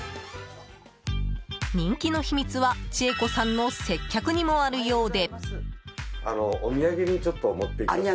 人気の秘密は千恵子さんの接客にもあるようで。